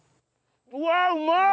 うわうまっ！